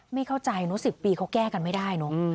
ไม่เข้าใจเนอะ๑๐ปีเขาแก้กันไม่ได้เนอะ